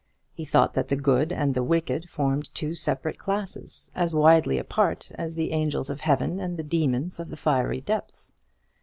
He thought that the good and the wicked formed two separate classes as widely apart as the angels of heaven and the demons of the fiery depths.